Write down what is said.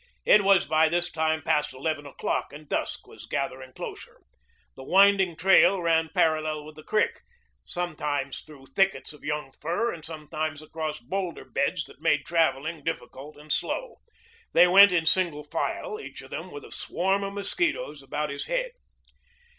It was by this time past eleven o'clock and dusk was gathering closer. The winding trail ran parallel with the creek, sometimes through thickets of young fir and sometimes across boulder beds that made traveling difficult and slow. They went in single file, each of them with a swarm of mosquitoes about his head.